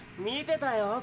見てたよ。